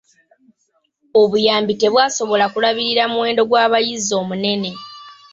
Obuyambi tebwasobola kulabirira muwendo gw'abayizi omunene.